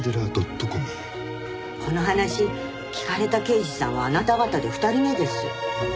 この話聞かれた刑事さんはあなた方で２人目です。